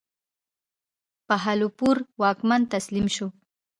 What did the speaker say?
بهاولپور واکمن تسلیم شو.